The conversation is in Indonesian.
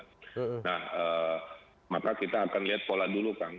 nah maka kita akan lihat pola dulu kang